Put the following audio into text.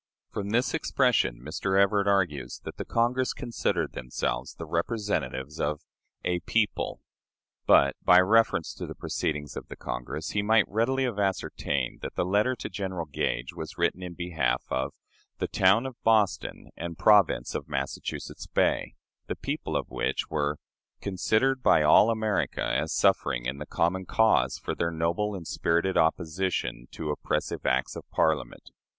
From this expression Mr. Everett argues that the Congress considered themselves the representatives of "a people." But, by reference to the proceedings of the Congress, he might readily have ascertained that the letter to General Gage was written in behalf of "the town of Boston and Province of Massachusetts Bay," the people of which were "considered by all America as suffering in the common cause for their noble and spirited opposition to oppressive acts of Parliament."